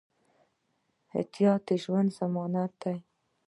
احتیاط د ژوند ضمانت دی.